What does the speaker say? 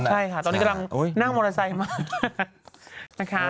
ใช่ค่ะตอนนี้กำลังนั่งมอเตอร์ไซค์มานะคะ